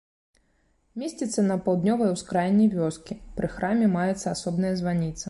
Месціцца на паўднёвай ускраіне вёскі, пры храме маецца асобная званіца.